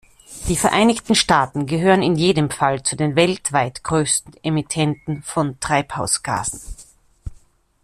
Die Vereinigten Staaten gehören in jedem Fall zu den weltweit größten Emittenten von Treibhausgasen.